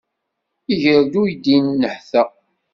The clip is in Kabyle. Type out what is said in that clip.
Iger-d uydi-nni nnehta.